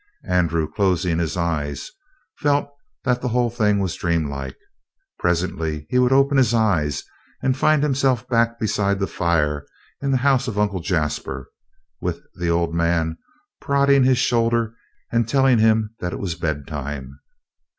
Andrew, closing his eyes, felt that the whole thing was dreamlike. Presently he would open his eyes and find himself back beside the fire in the house of Uncle Jasper, with the old man prodding his shoulder and telling him that it was bedtime.